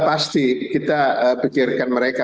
pasti kita pikirkan mereka